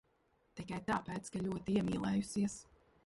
Tikai tāpēc, ka ļoti iemīlējusies.